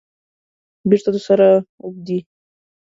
بیرته د سره اوبدي